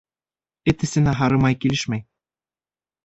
Эт эсенә һары май килешмәй.